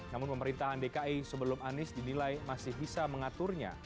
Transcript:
namun pemerintahan dki sebelum anies dinilai masih bisa mengaturnya